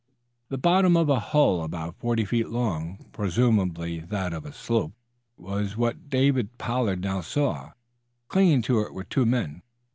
The bottom of a hull about forty feet long, presumably that of a sloop, was what David Pollard now saw. Clinging to it were two men.